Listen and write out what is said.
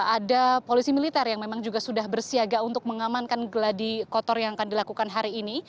ada polisi militer yang memang juga sudah bersiaga untuk mengamankan geladi kotor yang akan dilakukan hari ini